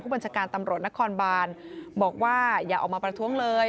บัญชาการตำรวจนครบานบอกว่าอย่าออกมาประท้วงเลย